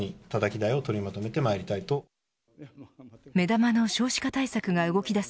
目玉の少子化対策が動きだす